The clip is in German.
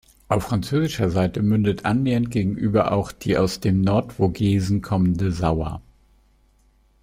Auf französischer Seite mündet annähernd gegenüber auch die aus den Nordvogesen kommende Sauer.